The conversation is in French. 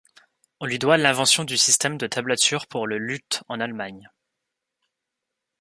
On lui doit l'invention du système de tablature pour le luth en Allemagne.